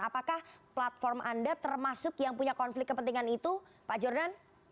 apakah platform anda termasuk yang punya konflik kepentingan itu pak jordan